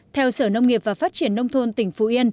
theo sở nông nghiệp và phát triển nông thôn tỉnh phú yên